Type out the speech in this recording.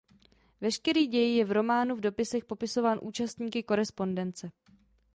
Veškerý děj je v románu v dopisech popisován účastníky korespondence.